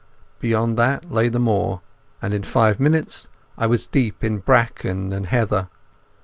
Beyond that lay the moor, and in five minutes I was deep in bracken and heather.